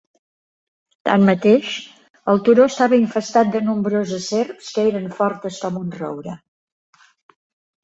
Tanmateix, el turó estava infestat de nombroses serps que eren fortes com un roure.